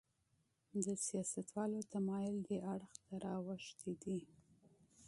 د سیاستوالو تمایل دې اړخ ته راوښتی دی.